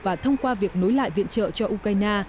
và thông qua việc nối lại viện trợ cho ukraine